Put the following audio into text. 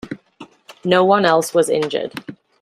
No one else was injured.